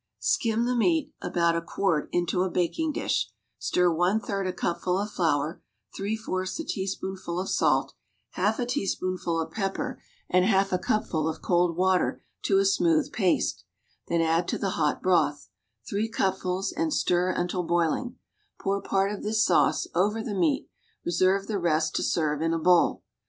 Skim the meat (about a quart) into a baking dish; stir one third a cupful of flour; three fourths a teaspoonful of salt, halt a teaspoonful of pepper and half a cupful of cold water to a smooth paste, then add to tlie hot broth (three cupfuls) and stir until boiling; pour part of this sauce over the meat, reserve the rest to serve in a bowl.